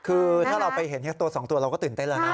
คือถ้าเราไปเห็นตัว๒ตัวเราก็ตื่นเต้นแล้วนะ